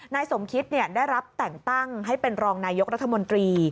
นายสมคิตได้รับแต่งตั้งให้เป็นรองนายกรัฐมนตรี